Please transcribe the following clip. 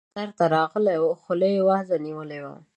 د کلي سړی بازار ته راغلی وو؛ خوله يې وازه نيولې وه.